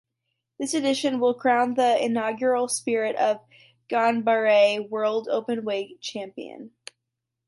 This edition will crown the inaugural Spirit of Ganbare World Openweight Champion.